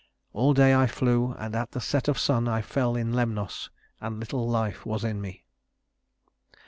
All day I flew, and at the set of sun I fell in Lemnos, and little life was in me."